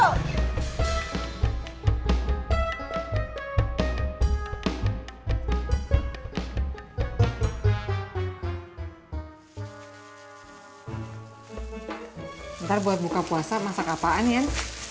sebentar buat buka puasa masak apaan yan